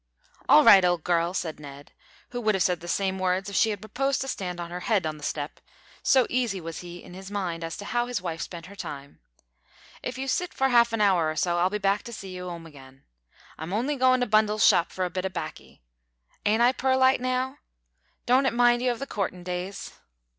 "All right, old girl," said Ned, who would have said the same words if she had proposed to stand on her head on the step so easy was he in his mind as to how his wife spent her time; "if you sit for half an hour or so I'll be back to see you 'ome again. I'm on'y goin' to Bundle's shop for a bit o' baccy. Ain't I purlite now? Don't it mind you of the courtin' days?"